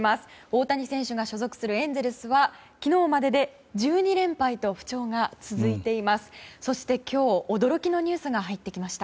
大谷選手が所属するエンゼルスは昨日までで１２連敗と不調が続いています。